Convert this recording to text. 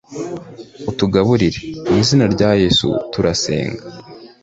utugaburire, mu izina rya yesu turasenga